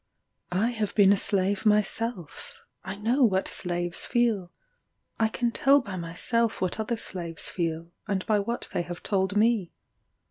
I have been a slave myself I know what slaves feel I can tell by myself what other slaves feel, and by what they have told me.